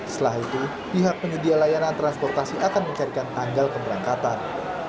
setelah itu pihak penyedia layanan transportasi akan mencarikan tanggal keberangkatan